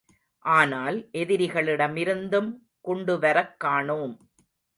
ஆனால், எதிரிகளிடமிருந்தும் குண்டுவரக் காணோம்.